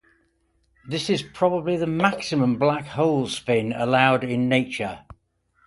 This is probably the maximum black-hole spin allowed in nature.